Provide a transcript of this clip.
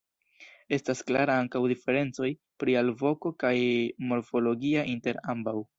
Estas klara ankaŭ diferencoj pri alvoko kaj morfologia inter ambaŭ.